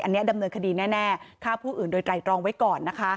อันนี้ดำเนินคดีแน่ฆ่าผู้อื่นโดยไตรตรองไว้ก่อนนะคะ